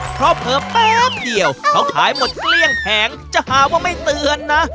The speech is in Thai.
เพราะเผลอแป๊บเดียวเขาขายหมดเกลี้ยงแผงจะหาว่าไม่เตือนนะ